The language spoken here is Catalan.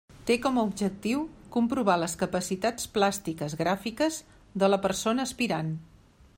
Té com a objectiu comprovar les capacitats plàstiques gràfiques de la persona aspirant.